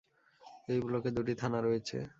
এই ব্লকে দুটি থানা রয়েছে।